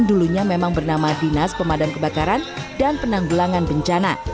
dulunya memang bernama dinas pemadam kebakaran dan penanggulangan bencana